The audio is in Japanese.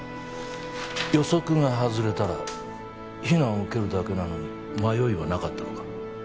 予測が外れたら非難を受けるだけなのに迷いはなかったのか？